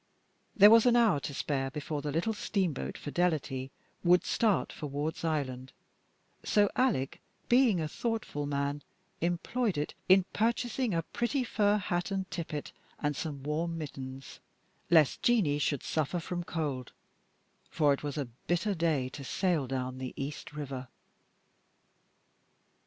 There was an hour to spare before the little steamboat Fidelity would start for Ward's Island, so Alec, being a thoughtful man, employed it in purchasing a pretty fur hat and tippet and some warm mittens, lest Jeanie should suffer from cold, for it was a bitter day to sail down the East River.